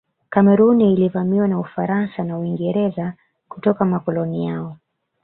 Kameruni ilivamiwa na Ufaransa na Uingereza kutoka makoloni yao